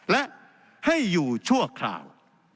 และให้อยู่ชั่วคราว